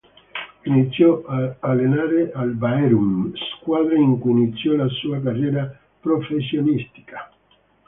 Iniziò ad allenare al Bærum, squadra in cui iniziò la sua carriera professionistica.